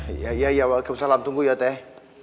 iya iya ya waalaikumsalam tunggu ya teh